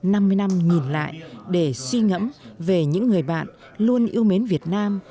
năm mươi năm nhìn lại để suy ngẫm về những người bạn luôn yêu mến việt nam